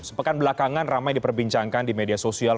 sepekan belakangan ramai diperbincangkan di media sosial